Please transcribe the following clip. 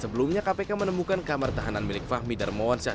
sebelumnya kpk menemukan kamar tahanan milik fahmi dan rahmawansyah